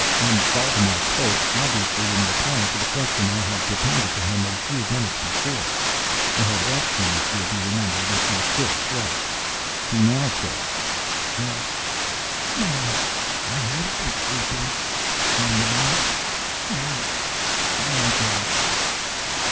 M. Valdemar spoke—obviously in reply to the question I had propounded to him a few minutes before. I had asked him, it will be remembered, if he still slept. He now said: "Yes;—no;—I have been sleeping—and now—now—I am dead."